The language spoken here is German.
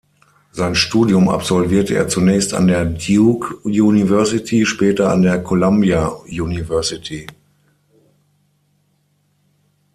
Sein Studium absolvierte er zunächst an der Duke University, später an der Columbia University.